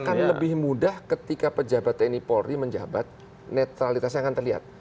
akan lebih mudah ketika pejabat tni polri menjabat netralitasnya akan terlihat